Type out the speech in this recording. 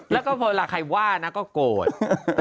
แล้วก็เกิดใครว่าก็โกรธ